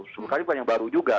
sebenarnya bukan yang baru juga